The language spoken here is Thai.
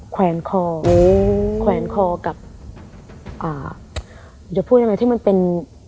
แควนคอแควนคอกับอ่าจะพูดยังไงที่มันเป็น